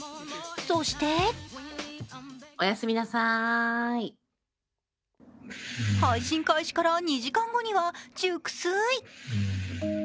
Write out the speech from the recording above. そして配信開始から２時間後には熟睡。